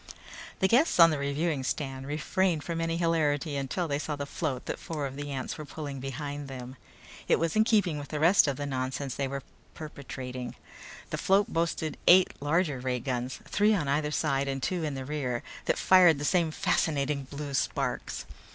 The guests on the reviewing stand refrained from any hilarity until they saw the float that four of the ants were pulling behind them. It was in keeping with the rest of the nonsense they were perpetrating. The float boasted eight larger ray guns, three on either side and two in the rear, that fired the same fascinating blue sparks.